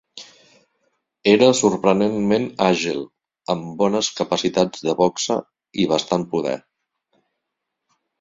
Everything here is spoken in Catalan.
Era sorprenentment àgil, amb bones capacitats de boxa i bastant poder.